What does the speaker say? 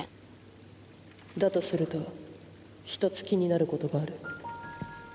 だとすると一つ気になることがある。